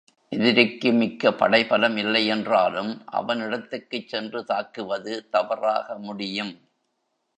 எதிரிக்கு மிக்க படைபலம் இல்லை என்றாலும் அவன் இடத்துக்குச் சென்று தாக்குவது தவறாக முடியும்.